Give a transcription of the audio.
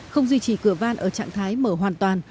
không duy trì cửa van ở trạng thái mở hoàn toàn